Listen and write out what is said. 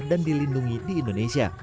yang dihitungi di indonesia